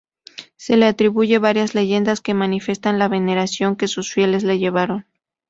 Se le atribuyen varias leyendas que manifiestan la veneración que sus fieles le llevaron.